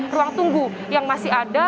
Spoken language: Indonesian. ruang tunggu yang masih ada